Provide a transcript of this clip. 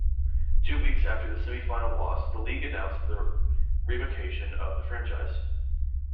Two weeks after the semifinal loss, the league announced the revocation of the franchise.